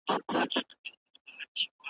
ور څرگنده یې آرزو کړه له اخلاصه .